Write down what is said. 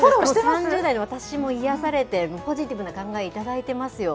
３０代の私も癒やされて、ポジティブな考え、頂いてますよ。